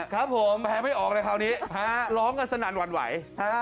ครับผมแพ้ไม่ออกเลยคราวนี้ร้องกันสนั่นหวั่นไหว